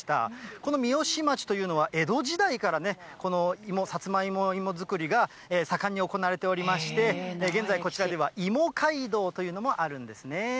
この三芳町というのは、江戸時代から、このさつまいも作りが盛んに行われておりまして、現在、こちらではいも街道というのもあるんですね。